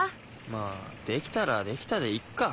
まぁできたらできたでいっか。